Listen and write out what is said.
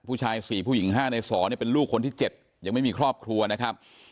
ผู้ชาย๔ผู้หญิง๕ใน๒เป็นลูกคนที่๗ยังไม่มีครอบครัวนะครับ